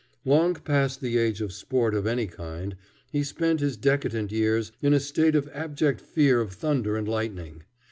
Long past the age of sport of any kind, he spent his decadent years in a state of abject fear of thunder and lightning.